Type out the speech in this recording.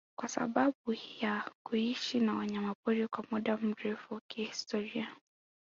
kwa sababu ya kuishi na wanyamapori kwa muda mrefu kihistoria